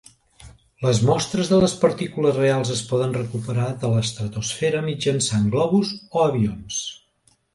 Les mostres de les partícules reals es poden recuperar de l'estratosfera mitjançant globus o avions.